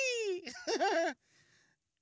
フフフ。